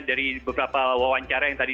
dari beberapa wawancara yang tadi